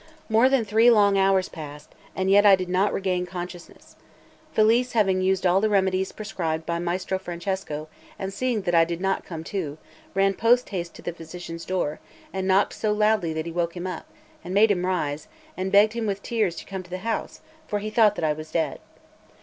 More than three long hours passed, and yet I did not regain consciousness. Felice having used all the remedies prescribed by Maestro Francesco, and seeing that I did not come to, ran post haste to the physician's door, and knocked so loudly that he woke him up, and made him rise, and begged him with tears to come to the house, for he thought that I was dead.